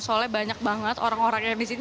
soalnya banyak banget orang orang yang disini